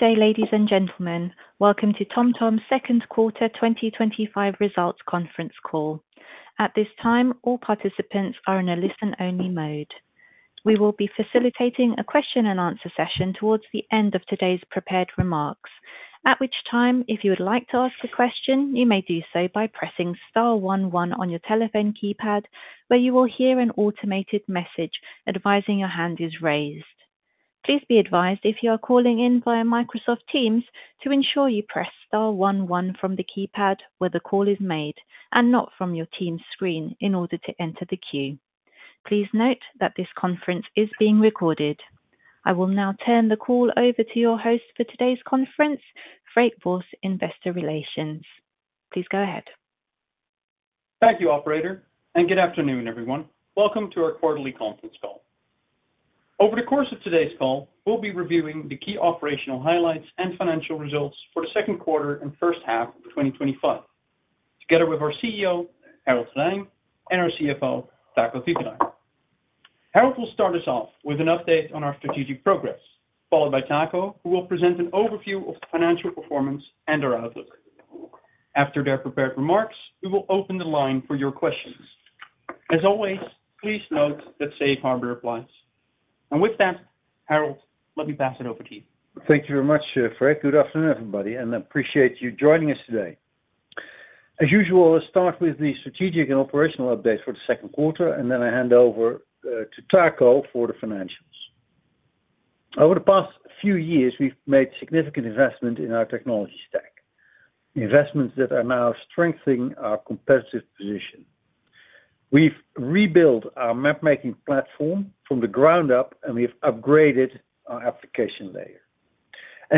Today, ladies and gentlemen, welcome to TomTom's second quarter 2025 results conference call. At this time, all participants are in a listen-only mode. We will be facilitating a question and answer session towards the end of today's prepared remarks, at which time, if you would like to ask a question, you may do so by pressing star one one on your telephone keypad, where you will hear an automated message advising your hand is raised. Please be advised if you are calling in via Microsoft Teams to ensure you press star one one from the keypad where the call is made and not from your Teams screen in order to enter the queue. Please note that this conference is being recorded. I will now turn the call over to your host for today's conference, Freek Borst, Investor Relations. Please go ahead. Thank you, operator, and good afternoon, everyone. Welcome to our quarterly conference call. Over the course of today's call, we'll be reviewing the key operational highlights and financial results for the second quarter and first half of 2025, together with our CEO, Harold Goddijn, and our CFO, Taco Titulaer. Harold will start us off with an update on our strategic progress, followed by Taco, who will present an overview of the financial performance and our outlook. After their prepared remarks, we will open the line for your questions. As always, please note that safe harbor applies. With that, Harold, let me pass it over to you. Thank you very much, Freek. Good afternoon, everybody, and I appreciate you joining us today. As usual, let's start with the strategic and operational updates for the second quarter, and then I hand over to Taco for the financials. Over the past few years, we've made significant investments in our technology stack, investments that are now strengthening our competitive position. We've rebuilt our map-making platform from the ground up, and we've upgraded our application layer.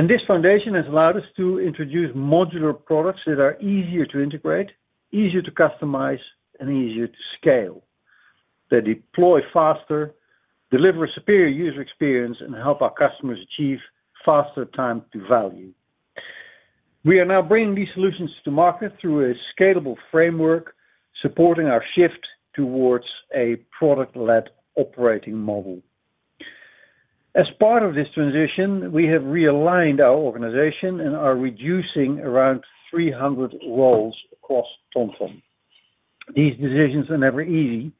This foundation has allowed us to introduce modular products that are easier to integrate, easier to customize, and easier to scale. They deploy faster, deliver a superior user experience, and help our customers achieve faster time-to-value. We are now bringing these solutions to market through a scalable framework, supporting our shift towards a product-led operating model. As part of this transition, we have realigned our organization and are reducing around 300 roles across TomTom. These decisions are never easy,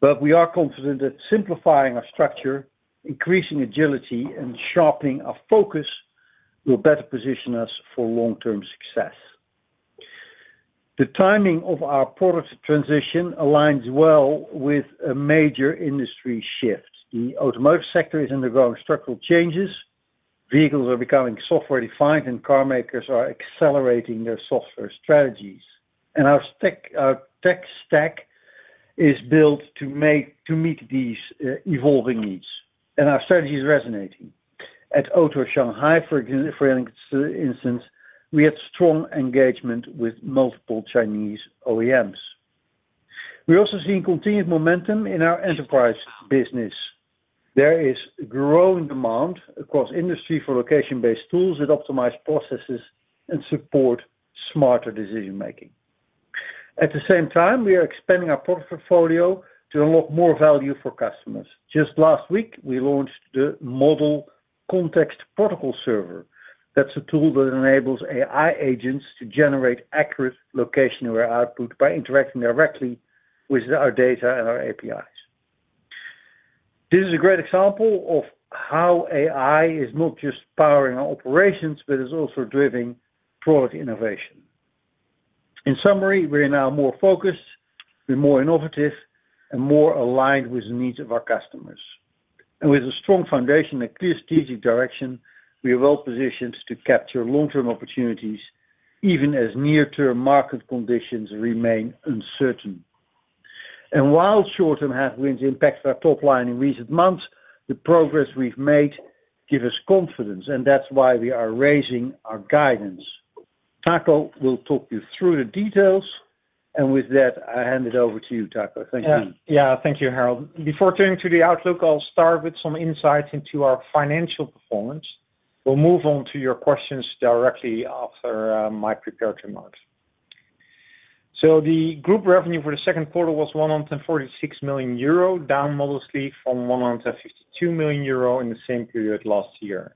but we are confident that simplifying our structure, increasing agility, and sharpening our focus will better position us for long-term success. The timing of our product transition aligns well with a major industry shift. The Automotive sector is undergoing structural changes. Vehicles are becoming software-defined, and car makers are accelerating their software strategies. Our tech stack is built to meet these evolving needs, and our strategy is resonating. At Auto Shanghai, for instance, we had strong engagement with multiple Chinese OEMs. We're also seeing continued momentum in our enterprise business. There is growing demand across industry for location-based tools that optimize processes and support smarter decision-making. At the same time, we are expanding our portfolio to unlock more value for customers. Just last week, we launched the Model Context Protocol Server. That's a tool that enables AI agents to generate accurate location-aware output by interacting directly with our data and our APIs. This is a great example of how AI is not just powering our operations, but it's also driving product innovation. In summary, we're now more focused, we're more innovative, and more aligned with the needs of our customers. With a strong foundation and clear strategic direction, we are well-positioned to capture long-term opportunities, even as near-term market conditions remain uncertain. While short-term headwinds impacted our top line in recent months, the progress we've made gives us confidence, and that's why we are raising our guidance. Taco will talk you through the details, and with that, I hand it over to you, Taco. Thank you. Yeah, thank you, Harold. Before turning to the outlook, I'll start with some insights into our financial performance. We'll move on to your questions directly after my prepared remarks. The group revenue for the second quarter was 146 million euro, down modestly from 152 million euro in the same period last year.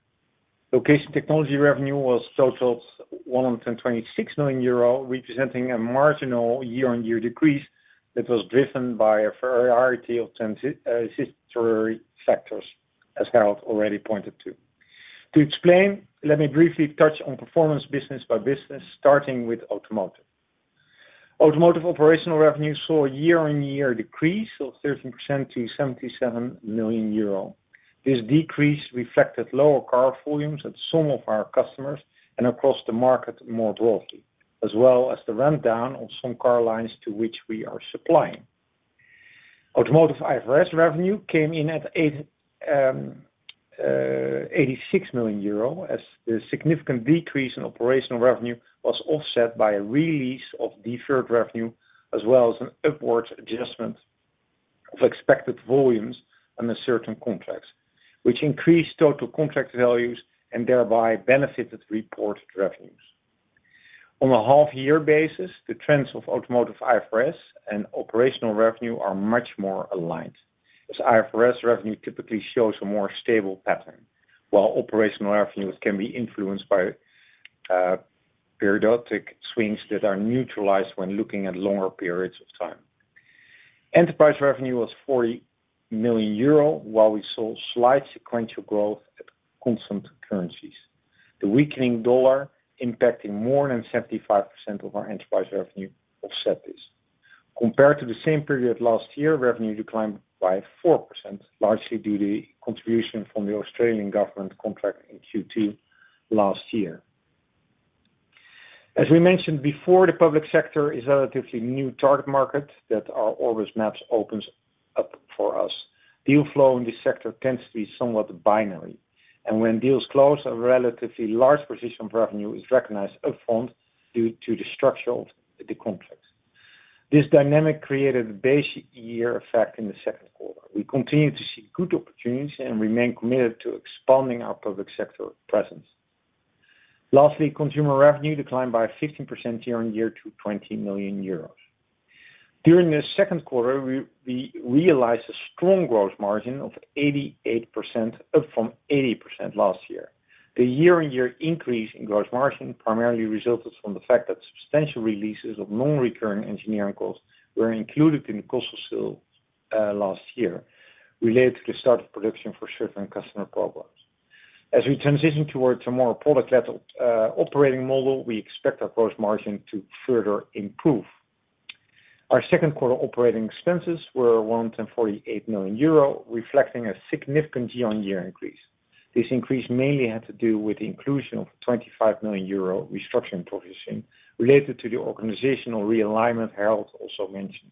Location technology revenue totaled 126 million euro, representing a marginal year-on-year decrease that was driven by a variety of transitory factors, as Harold already pointed to. To explain, let me briefly touch on performance business by business, starting with Automotive. Automotive operational revenue saw a year-on-year decrease of 13% to 77 million euro. This decrease reflected lower car volumes at some of our customers and across the market more broadly, as well as the ramp down of some car lines to which we are supplying. Automotive IFRS revenue came in at 86 million euro, as the significant decrease in operational revenue was offset by a release of deferred revenue, as well as an upward adjustment of expected volumes under certain contracts, which increased total contract values and thereby benefited reported revenues. On a half-year basis, the trends of Automotive IFRS and operational revenue are much more aligned, as IFRS revenue typically shows a more stable pattern, while operational revenue can be influenced by periodic swings that are neutralized when looking at longer periods of time. Enterprise revenue was 40 million euro, while we saw slight sequential growth at constant currencies. The weakening dollar impacted more than 75% of our enterprise revenue, offsetting this. Compared to the same period last year, revenue declined by 4%, largely due to contribution from the Australian government contract in Q2 last year. As we mentioned before, the public sector is a relatively new target market that our Orbis Maps opens up for us. Deal flow in this sector tends to be somewhat binary, and when deals close, a relatively large portion of revenue is recognized upfront due to the structure of the contracts. This dynamic created a base-year effect in the second quarter. We continue to see good opportunities and remain committed to expanding our public sector presence. Lastly, consumer revenue declined by 15% year-on-year to 20 million euros. During the second quarter, we realized a strong gross margin of 88%, up from 80% last year. The year-on-year increase in gross margin primarily resulted from the fact that substantial releases of non-recurring engineering costs were included in the cost of sales last year, related to the start of production for certain customer problems. As we transition towards a more product-led operating model, we expect our gross margin to further improve. Our second quarter operating expenses were 148 million euro, reflecting a significant year-on-year increase. This increase mainly had to do with the inclusion of a 25 million euro restructuring provision related to the organizational realignment Harold also mentioned.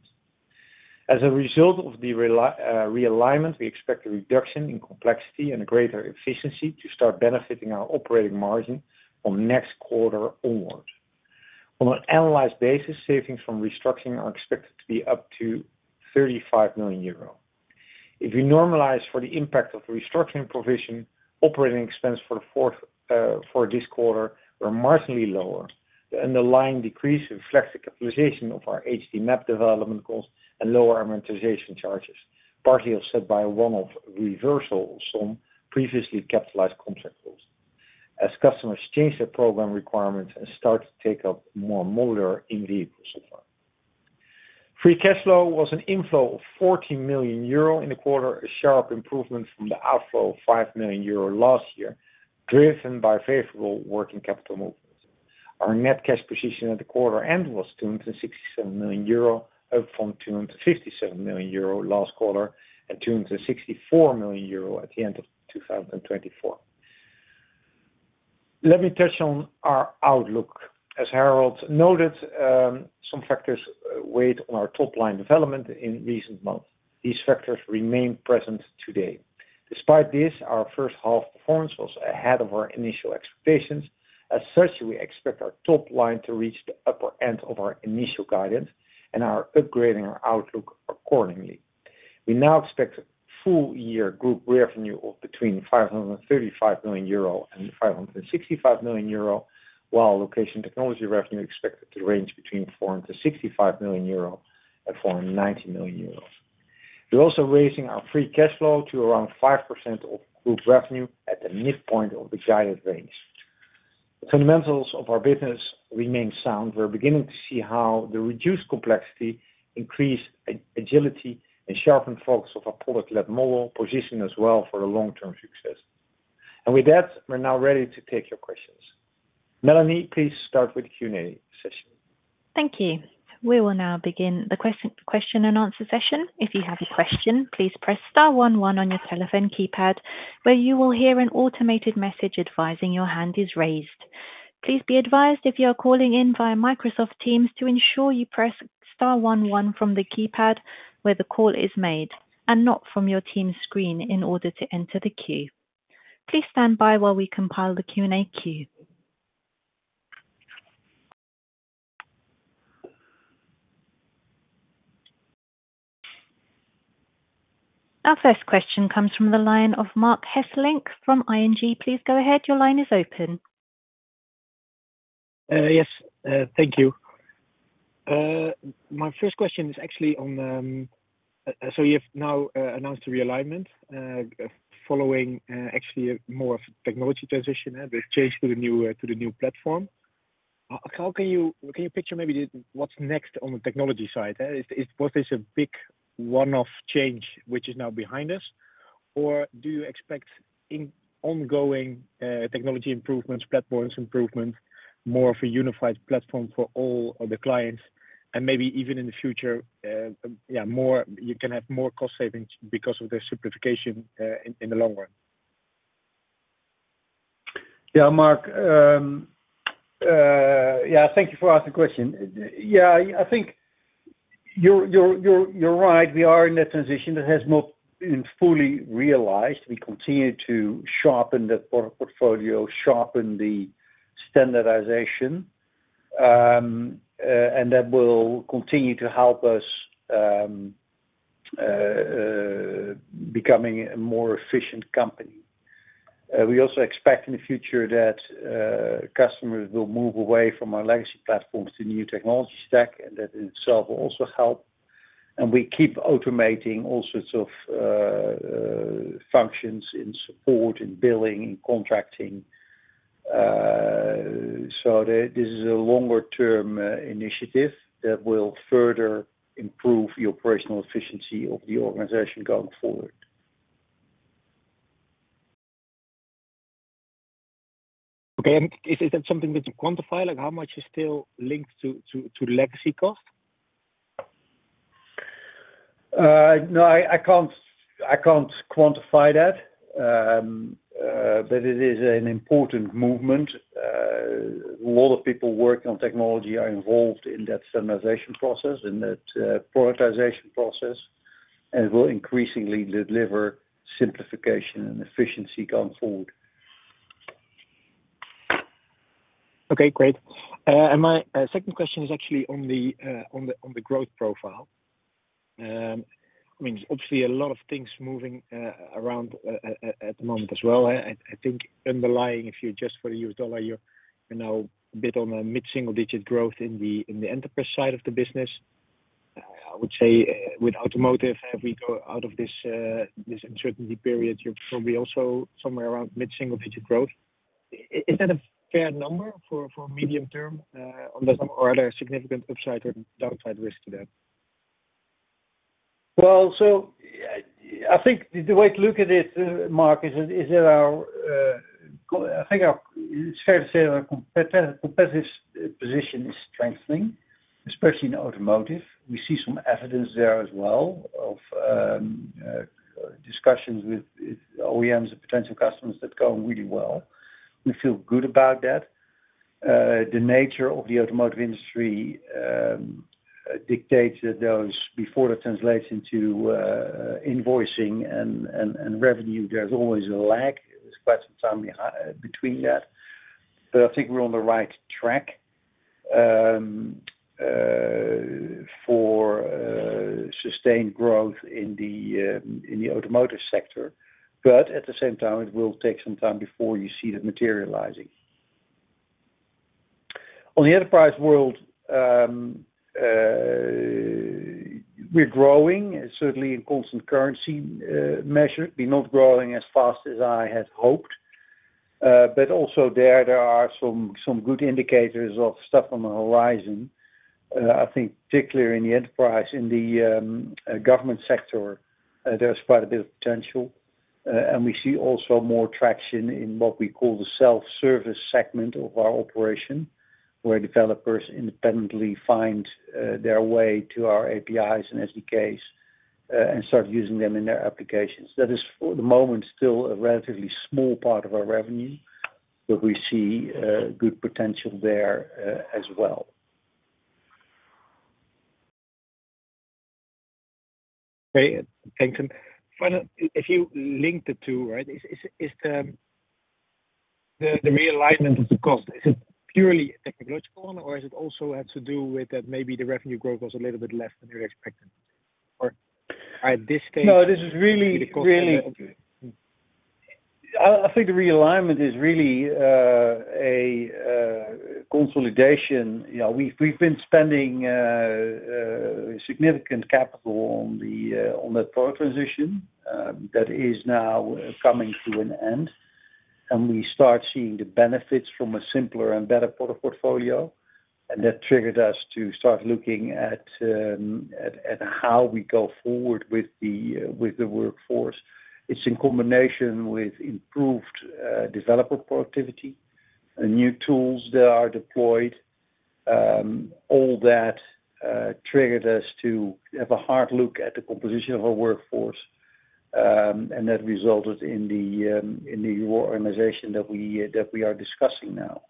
As a result of the realignment, we expect a reduction in complexity and a greater efficiency to start benefiting our operating margin from next quarter onwards. On an annualized basis, savings from restructuring are expected to be up to 35 million euro. If we normalize for the impact of the restructuring provision, operating expenses for this quarter were marginally lower. The underlying decrease reflects the capitalization of our HD map development costs and lower amortization charges, partially offset by one-off reversal of some previously capitalized contract costs, as customers changed their program requirements and started to take up more modular in-vehicle software. Free cash flow was an inflow of 14 million euro in the quarter, a sharp improvement from the outflow of 5 million euro last year, driven by favorable working capital movements. Our net cash position at the quarter end was 267 million euro, up from 257 million euro last quarter and 264 million euro at the end of 2024. Let me touch on our outlook. As Harold noted, some factors weighed on our top-line development in recent months. These factors remain present today. Despite this, our first half performance was ahead of our initial expectations. As such, we expect our top line to reach the upper end of our initial guidance and are upgrading our outlook accordingly. We now expect a full-year group revenue of between 535 million euro and 565 million euro, while Location Technology revenue is expected to range between 465 million euro and 490 million euro. We're also raising our free cash flow to around 5% of group revenue at the midpoint of the guided range. The fundamentals of our business remain sound. We're beginning to see how the reduced complexity increases agility and sharpens the focus of our product-led model, positioning us well for the long-term success. We are now ready to take your questions. Melanie, please start with the Q&A session. Thank you. We will now begin the question and answer session. If you have a question, please press star one one on your telephone keypad, where you will hear an automated message advising your hand is raised. Please be advised if you are calling in via Microsoft Teams to ensure you press star one one from the keypad where the call is made and not from your Teams screen in order to enter the queue. Please stand by while we compile the Q&A queue. Our first question comes from the line of Marc Hesselink from ING. Please go ahead. Your line is open. Yes, thank you. My first question is actually on, so you've now announced a realignment following more of a technology transition, the change to the new platform. How can you picture maybe what's next on the technology side? Was this a big one-off change which is now behind us, or do you expect ongoing technology improvements, platform improvements, more of a unified platform for all of the clients, and maybe even in the future, you can have more cost savings because of the simplification in the long run? Yeah, Mark. Thank you for asking the question. I think you're right. We are in that transition. It has not been fully realized. We continue to sharpen the product portfolio, sharpen the standardization, and that will continue to help us becoming a more efficient company. We also expect in the future that customers will move away from our legacy platforms to new technology stack, and that in itself will also help. We keep automating all sorts of functions in support, in billing, in contracting. This is a longer-term initiative that will further improve the operational efficiency of the organization going forward. Okay. Is that something that you quantify, like how much is still linked to legacy cost? No, I can't quantify that, but it is an important movement. A lot of people working on technology are involved in that standardization process, in that productization process, and it will increasingly deliver simplification and efficiency going forward. Okay, great. My second question is actually on the growth profile. Obviously, a lot of things moving around at the moment as well. I think underlying, if you adjust for the U.S. dollar, you're now a bit on a mid-single-digit growth in the Enterprise side of the business. I would say with Automotive, if we go out of this uncertainty period, you're probably also somewhere around mid-single-digit growth. Is that a fair number for medium term on those numbers, or are there significant upside or downside risks to that? I think the way to look at it, Mark, is that our, I think it's fair to say that our competitive position is strengthening, especially in Automotive. We see some evidence there as well of discussions with OEMs and potential customers that go really well. We feel good about that. The nature of the Automotive industry dictates that those, before that translates into invoicing and revenue, there's always a lag. There's quite some time between that. I think we're on the right track for sustained growth in the Automotive sector. At the same time, it will take some time before you see that materializing. On the Enterprise world, we're growing, certainly in constant currency measure. We're not growing as fast as I had hoped. Also there, there are some good indicators of stuff on the horizon. I think particularly in the enterprise, in the government sector, there's quite a bit of potential. We see also more traction in what we call the self-service segment of our operation, where developers independently find their way to our APIs and SDKs and start using them in their applications. That is, for the moment, still a relatively small part of our revenue, but we see good potential there as well. Great, thanks. If you link the two, is the realignment of the cost purely a technological one, or does it also have to do with that maybe the revenue growth was a little bit less than you'd expected? At this stage? No, this is really, really, I think the realignment is really a consolidation. We've been spending significant capital on that product transition that is now coming to an end. We start seeing the benefits from a simpler and better product portfolio. That triggered us to start looking at how we go forward with the workforce. It's in combination with improved developer productivity and new tools that are deployed. All that triggered us to have a hard look at the composition of our workforce. That resulted in the reorganization that we are discussing now.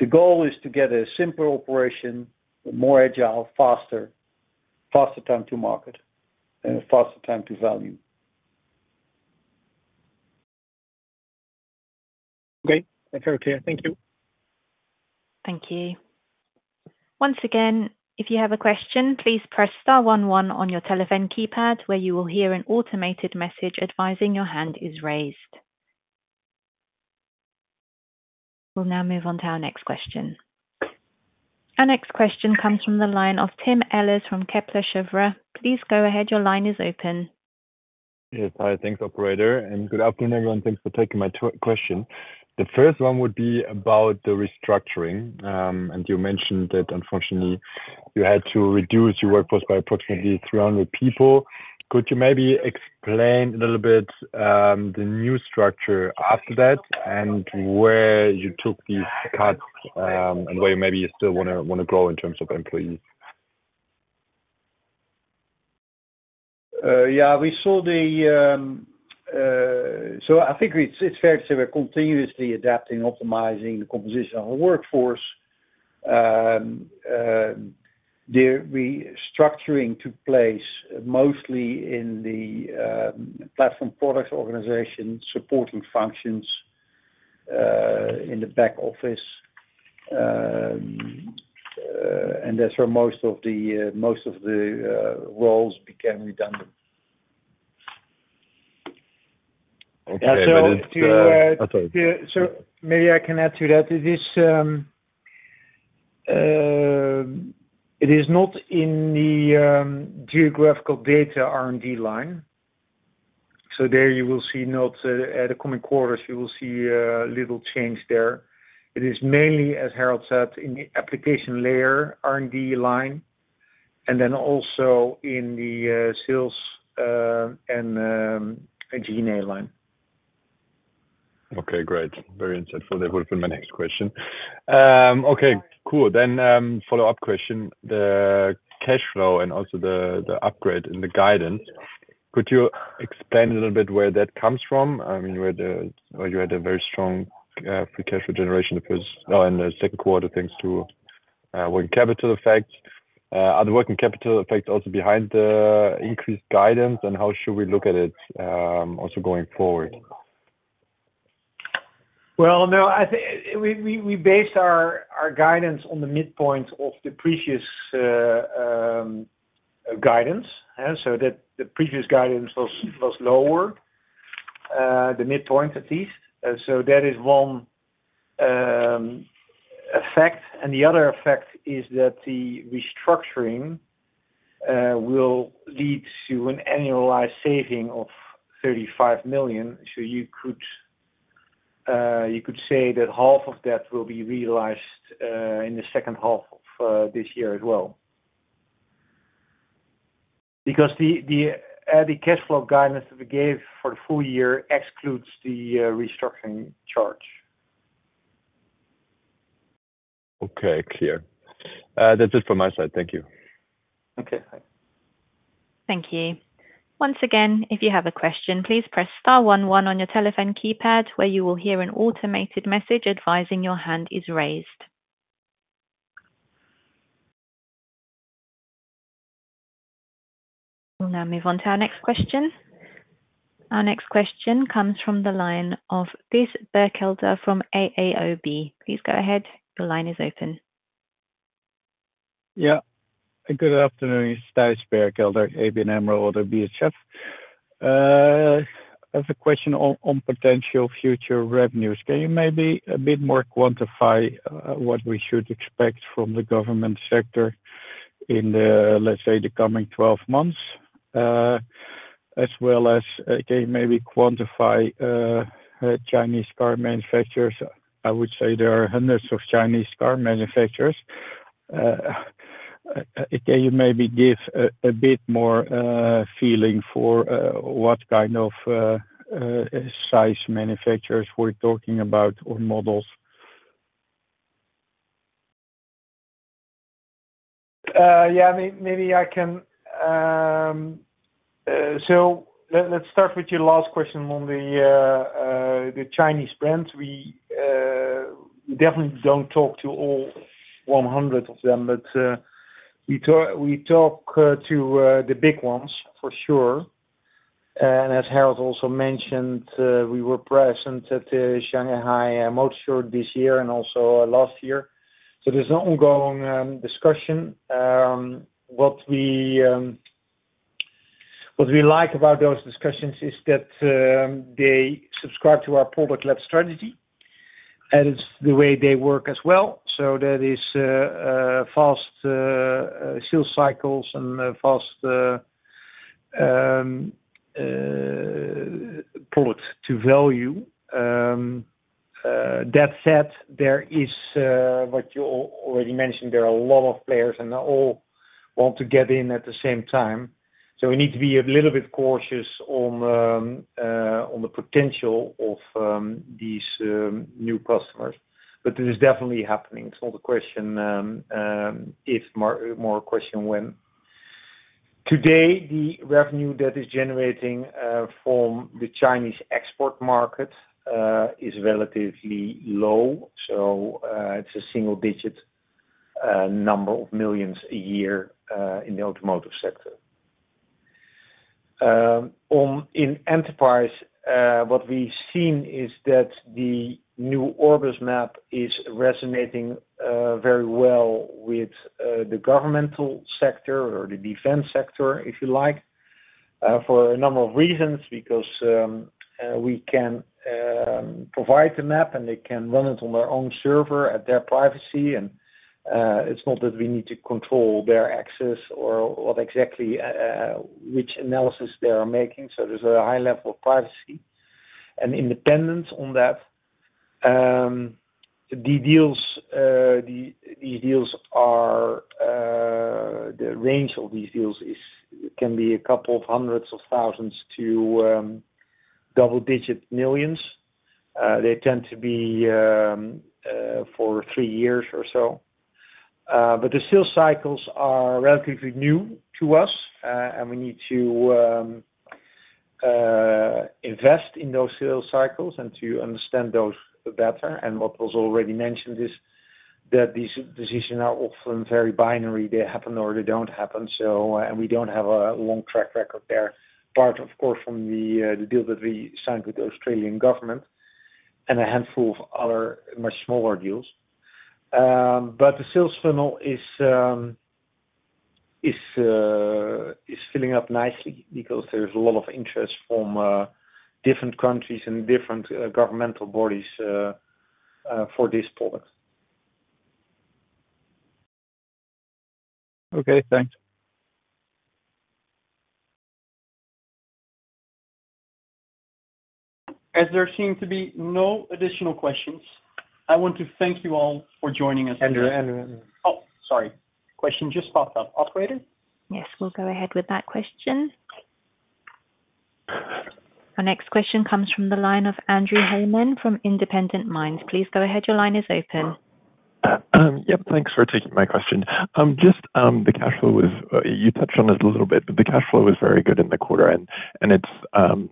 The goal is to get a simpler operation, more agile, faster, faster time to market, and faster time to value. Okay, thanks, Harold. Thank you. Thank you. Good afternoon. It's Thijs Berkelder, ABN AMRO ODDO BHF. I have a question on potential future revenues. Can you maybe a bit more quantify what we should expect from the government sector in the, let's say, the coming 12 months, as well as can you maybe quantify Chinese car manufacturers? I would say there are hundreds of Chinese car manufacturers. Can you maybe give a bit more feeling for what kind of size manufacturers we're talking about or models? Yeah, maybe I can. Let's start with your last question on the Chinese brands. We definitely don't talk to all 100 of them, but we talk to the big ones for sure. As Harold also mentioned, we were present at the Auto Shanghai this year and also last year. There's an ongoing discussion. What we like about those discussions is that they subscribe to our product-led strategy, and it's the way they work as well. That is fast sales cycles and fast products to value. That said, there is what you already mentioned. There are a lot of players, and they all want to get in at the same time. We need to be a little bit cautious on the potential of these new customers. It is definitely happening. It's not a question if, more a question when. Today, the revenue that is generating from the Chinese export market is relatively low. It's a single-digit number of millions a year in the Automotive sector. In Enterprise, what we've seen is that the new Orbis Map is resonating very well with the governmental sector or the defense sector, if you like, for a number of reasons, because we can provide the map, and they can run it on their own server at their privacy. It's not that we need to control their access or what exactly which analysis they are making. There's a high level of privacy and independence on that. The range of these deals can be a couple of hundreds of thousands to double-digit millions. They tend to be for three years or so. The sales cycles are relatively new to us, and we need to invest in those sales cycles and to understand those better. What was already mentioned is that these decisions are often very binary. They happen or they don't happen. We don't have a long track record there, apart of course from the deal that we signed with the Australian government and a handful of other much smaller deals. The sales funnel is filling up nicely because there's a lot of interest from different countries and different governmental bodies for this product. Okay, thanks. As there seem to be no additional questions, I want to thank you all for joining us today. Andrew Hayman Oh, sorry. Question just popped up. Operator? Yes, we'll go ahead with that question. Our next question comes from the line of Andrew Richard Hayman from Independent Minds. Please go ahead. Your line is open. Thanks for taking my question. The cash flow was very good in the quarter, and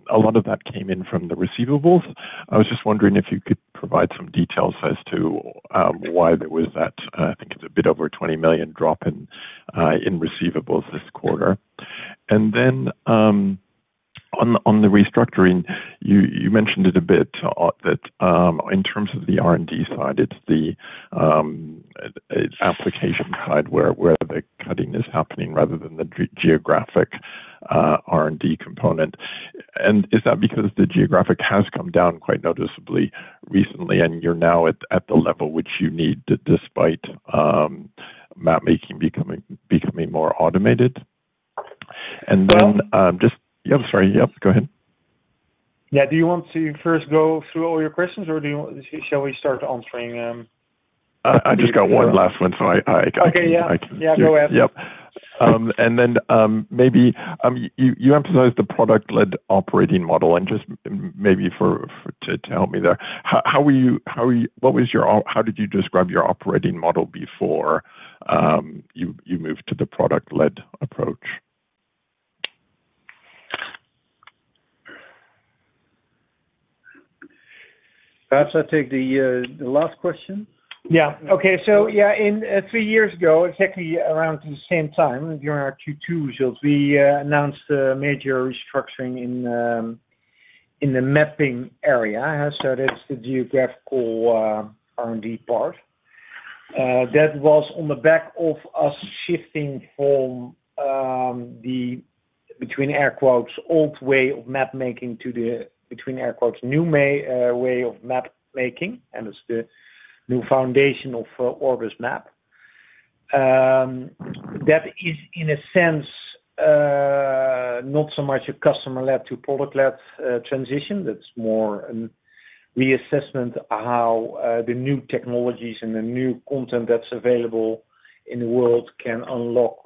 a lot of that came in from the receivables. I was just wondering if you could provide some details as to why there was that, I think it's a bit over 20 million drop in receivables this quarter. On the restructuring, you mentioned it a bit that in terms of the R&D side, it's the application side where the cutting is happening rather than the geographic R&D component. Is that because the geographic has come down quite noticeably recently, and you're now at the level which you need despite map-making becoming more automated? Sorry. Go ahead. Do you want to first go through all your questions, or shall we start answering? I just got one last one, so I can. Okay, yeah. Go ahead. Maybe you emphasized the product-led operating model, and just maybe to help me there, how were you, what was your, how did you describe your operating model before you moved to the product-led approach? Perhaps I take the last question? Yeah. Okay. Three years ago, exactly around the same time, during our Q2 results, we announced a major restructuring in the mapping area. That's the geographical R&D part. That was on the back of us shifting from the, "old way of map-making" to the, "new way of map-making," and it's the new foundation of Orbis Map. That is, in a sense, not so much a customer-led to product-led transition. That's more a reassessment of how the new technologies and the new content that's available in the world can unlock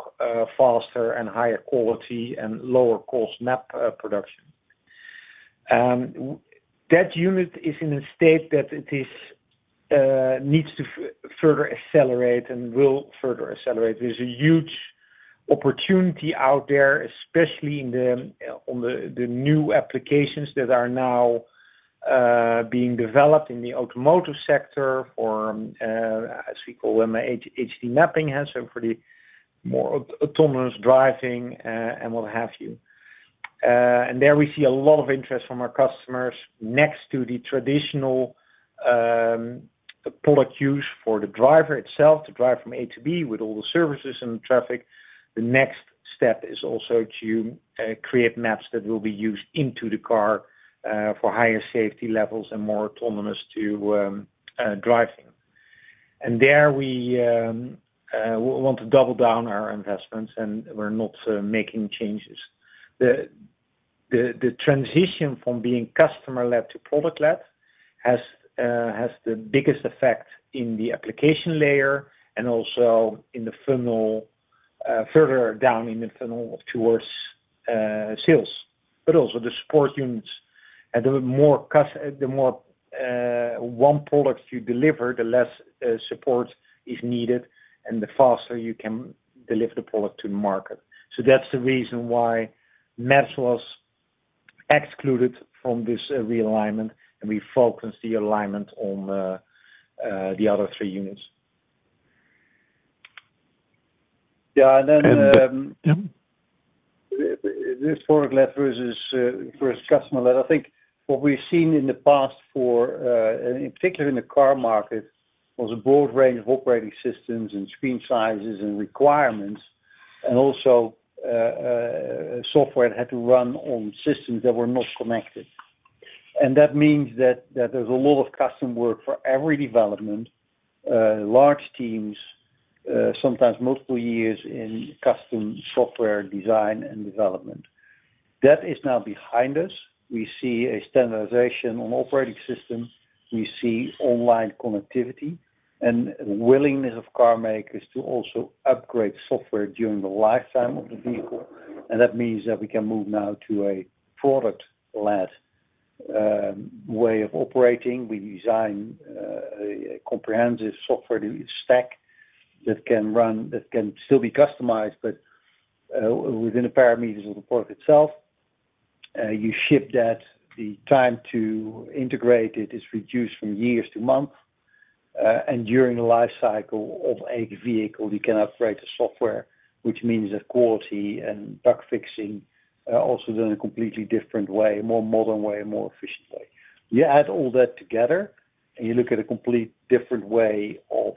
faster and higher quality and lower-cost map production. That unit is in a state that it needs to further accelerate and will further accelerate. There's a huge opportunity out there, especially in the new applications that are now being developed in the automotive sector for, as we call them, HD mapping, so for the more autonomous driving and what have you. There we see a lot of interest from our customers next to the traditional product use for the driver itself, the driver from A to B with all the services and traffic. The next step is also to create maps that will be used into the car for higher safety levels and more autonomous driving. There we want to double down our investments, and we're not making changes. The transition from being customer-led to product-led has the biggest effect in the application layer and also in the funnel, further down in the funnel towards sales, but also the support units. The more one product you deliver, the less support is needed and the faster you can deliver the product to the market. That's the reason why [MES] was excluded from this realignment, and we focused the alignment on the other three units. This product-led versus customer-led, I think what we've seen in the past, in particular in the car market, was a broad range of operating systems and screen sizes and requirements and also software that had to run on systems that were not connected. That means that there's a lot of custom work for every development, large teams, sometimes multiple years in custom software design and development. That is now behind us. We see a standardization on the operating system. We see online connectivity and the willingness of car makers to also upgrade software during the lifetime of the vehicle. That means that we can move now to a product-led way of operating. We design a comprehensive software stack that can still be customized, but within the parameters of the product itself. You ship that. The time to integrate it is reduced from years to months. During the life cycle of a vehicle, you can upgrade the software, which means that quality and bug fixing are also done in a completely different way, a more modern way, a more efficient way. You add all that together, and you look at a completely different way of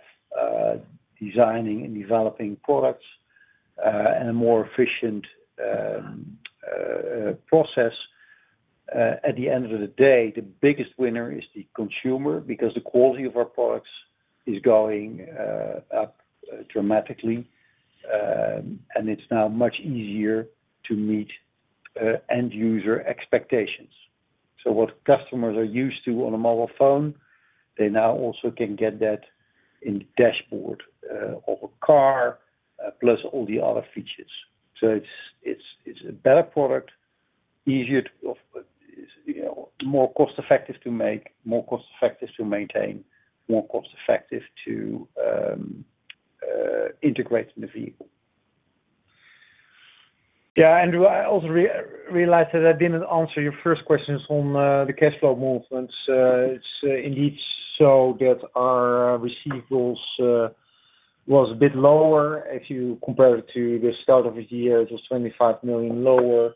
designing and developing products and a more efficient process. At the end of the day, the biggest winner is the consumer because the quality of our products is going up dramatically, and it's now much easier to meet end-user expectations. What customers are used to on a mobile phone, they now also can get that in the dashboard of a car, plus all the other features. It's a better product, easier to, more cost-effective to make, more cost-effective to maintain, more cost-effective to integrate in the vehicle. I also realized that I didn't answer your first questions on the cash flow movements. It's indeed so that our receivables were a bit lower. If you compare it to the start of the year, it was 25 million lower.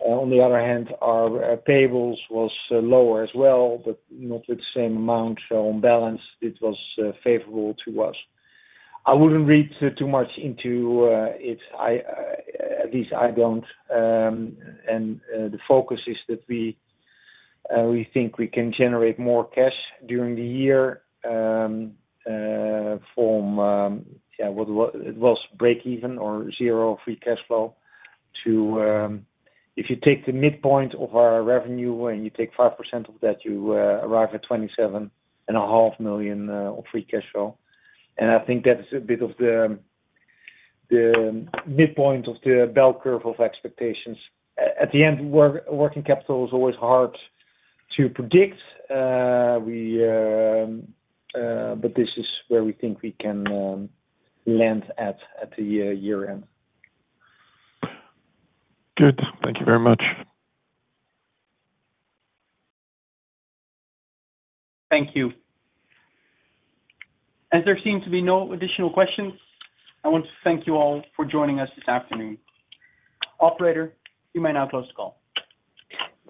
On the other hand, our payables were lower as well, but not with the same amount. On balance, it was favorable to us. I wouldn't read too much into it. At least I don't. The focus is that we think we can generate more cash during the year from what it was, break-even or zero free cash flow. If you take the midpoint of our revenue and you take 5% of that, you arrive at 27.5 million of free cash flow. I think that's a bit of the midpoint of the bell curve of expectations. At the end, working capital is always hard to predict. This is where we think we can land at at the year-end. Good, thank you very much. Thank you. As there seem to be no additional questions, I want to thank you all for joining us this afternoon. Operator, you may now close the call.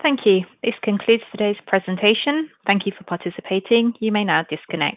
Thank you. This concludes today's presentation. Thank you for participating. You may now disconnect.